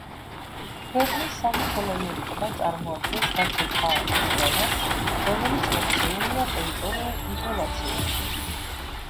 ქვეყნის სამი ხელოვნური ტბა წარმოადგენს დაცულ ფაუნის ზონას, რომელიც მოქცეულია ტერიტორიულ იზოლაციაში.